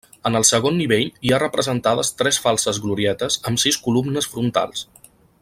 En el segon nivell hi ha representades tres falses glorietes amb sis columnes frontals.